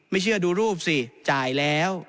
เชื่อดูรูปสิจ่ายแล้ว